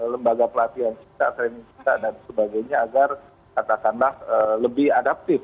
lembaga pelatihan kita training kita dan sebagainya agar katakanlah lebih adaptif